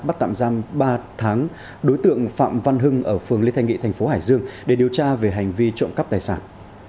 bắt tạm giam ba tháng đối tượng phạm văn hưng ở phường lê thanh nghị thành phố hải dương để điều tra về hành vi trộm cắp tài sản